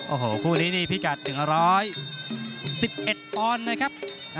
โอ้โหคู่นี้นี่พิกัด๑๑๑ปอนด์นะครับ